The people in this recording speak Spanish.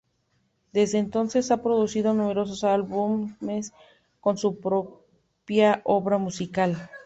Desde entonces ha producido numerosos álbumes con su propia obra musical.